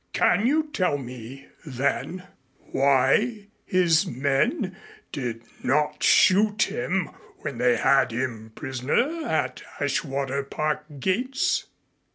Can you tell me then, why his men did not shoot him when they had him prisoner at Ashwater Park gates?"